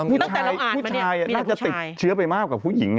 ผู้ชายผู้ชายน่าจะติดเชื้อไปมากกว่าผู้หญิง